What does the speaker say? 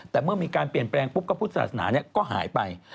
แต่เมื่อมีการเปลี่ยนแปลงปุ๊บพระพุทธศาสนาก็หายไป